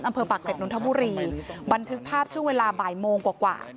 อำเภอปากเก็ตนุนทบุรีบันทึกภาพช่วงเวลาบ่ายโมงกว่ากว่า